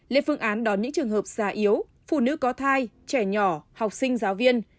lên phương án đón những trường hợp già yếu phụ nữ có thai trẻ nhỏ học sinh giáo viên